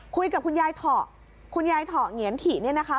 คุยกับคุณยายเถาะเงียนถี่เนี่ยนะคะ